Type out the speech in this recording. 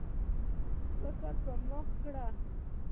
فکر په مخه کړ.